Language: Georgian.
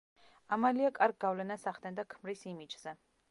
ამალია კარგ გავლენას ახდენდა ქმრის იმიჯზე.